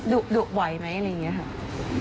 ดูบ่อยไหมอะไรอย่างนี้